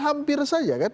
hampir saja kan